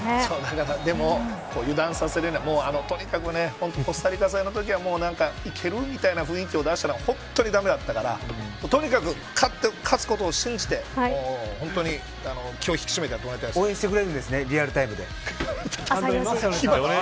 とにかくコスタリカ戦のときはいける、みたいな雰囲気を出したら本当に駄目だったからとにかく、勝つことを信じて本当に気を引き締めて応援してくれるんですねリアルタイムで。